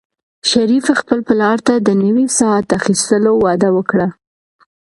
شریف خپل پلار ته د نوي ساعت اخیستلو وعده ورکړه.